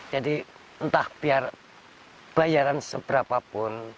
jadi entah biar bayaran seberapapun